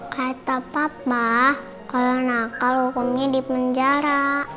kata papa kalau nakal hukumnya di penjara